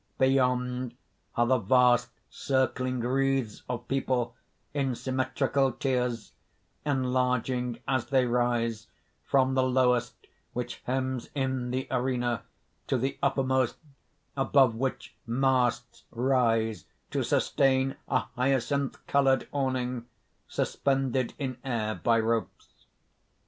Beyond are the vast circling wreaths of people, in symmetrical tiers, enlarging as they rise, from the lowest which hems in the arena to the uppermost above which masts rise to sustain a hyacinth colored awning, suspended in air by ropes.